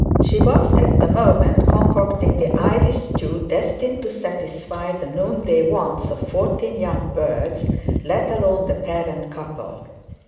She was at the moment concocting the Irish stew destined to satisfy the noonday want of fourteen young birds, let alone the parent couple.